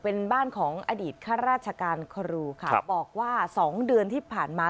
เป็นบ้านของอดีตข้าราชการครูค่ะบอกว่าสองเดือนที่ผ่านมา